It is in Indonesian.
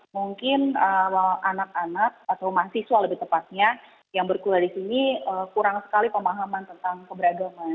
mungkin anak anak atau mahasiswa lebih tepatnya yang berkuliah di sini kurang sekali pemahaman tentang keberagaman